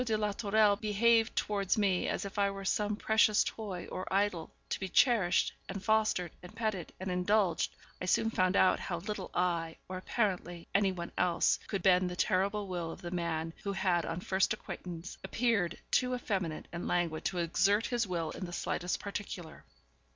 de la Tourelle behaved towards me as if I were some precious toy or idol, to be cherished, and fostered, and petted, and indulged, I soon found out how little I, or, apparently, any one else, could bend the terrible will of the man who had on first acquaintance appeared to me too effeminate and languid to exert his will in the slightest particular.